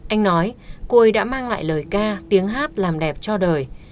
anh nói cô ấy đã mang lại lời ca tiếng hát làm đẹp cho đời